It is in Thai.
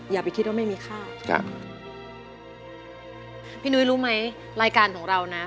อย่าไปคิดว่าไม่มีค่าจ้ะพี่นุ้ยรู้ไหมรายการของเรานะ